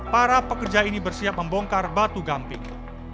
para pekerja ini bersiap membongkar batu gamping